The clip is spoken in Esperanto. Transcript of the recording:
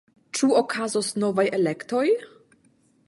Ĉu okazos novaj elektoj?